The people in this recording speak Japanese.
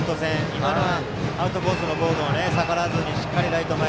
今のはアウトコースのボールを逆らわずにしっかりとライト前。